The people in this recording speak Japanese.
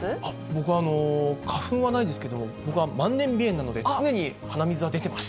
僕、花粉はないですけど、僕まんねん鼻炎なので、常に鼻水は出てます。